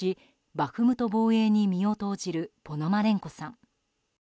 バフムト防衛に身を投じるポノマレンコさん。